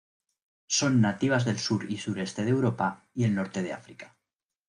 Son nativas del sur y sureste de Europa y el norte de África.